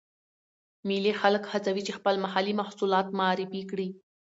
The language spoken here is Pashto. مېلې خلک هڅوي، چې خپل محلې محصولات معرفي کړي.